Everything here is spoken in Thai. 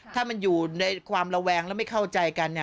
ถ้ามันอยู่ในความระแวงแล้วไม่เข้าใจกัน